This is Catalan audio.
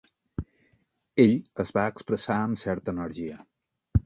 Ell "es va expressar amb certa energia".